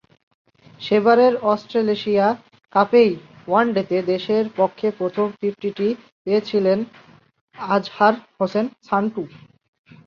সেবারের Australasia কাপেই ওয়ানডেতে দেশের পক্ষে প্রথম ফিফটিটি পেয়েছিলেন আজহার হোসেন সান্টু।